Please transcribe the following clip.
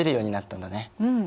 うん。